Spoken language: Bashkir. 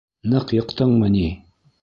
— Ныҡ йыҡтыңмы ни?